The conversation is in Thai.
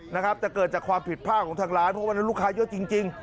นะครับแต่เกิดจากความผิดพลาดของทางร้านเพราะวันนั้นลูกค้าเยอะจริงจริง